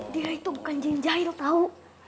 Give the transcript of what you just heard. dia itu bukan jun jail tau